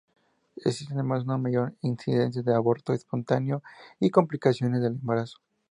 Existe además una mayor incidencia de aborto espontáneo y complicaciones del embarazo.